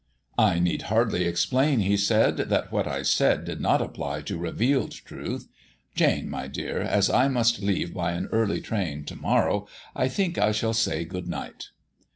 "I need hardly explain," he said, "that what I said did not apply to revealed truth. Jane, my dear, as I must leave by an early train to morrow, I think I shall say good night."